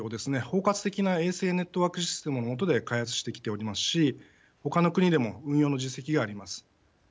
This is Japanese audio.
包括的な衛星ネットワークシステムの下で開発してきておりますし他の国でも運用の実績があります。